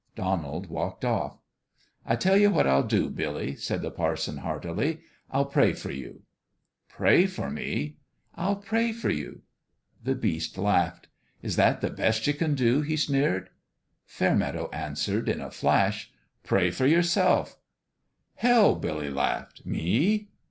Donald walked off. 282 BOUND THROUGH " I tell you what I'll do, Billy," said the par son, heartily : "I'll pray for you." " Pray fer me 1 "" I'll pray for you." The Beast laughed. " Is that the best ye can do ?" he sneered. Fairmeadow answered, in a flash :" Pray for yourself." " Hell 1 " Billy laughed. " Me